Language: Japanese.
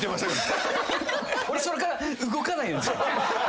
俺それから動かないように。